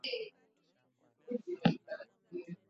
ebi shaban abdala anataarifa zaidi